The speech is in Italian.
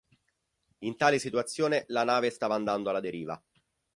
In tale situazione la nave stava andando alla deriva.